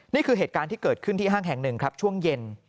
นี่คือเหตุการณ์ที่เกิดขึ้นที่ห้างแห่งหนึ่งครับช่วงเย็น